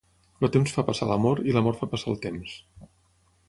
El temps fa passar l'amor i l'amor fa passar el temps.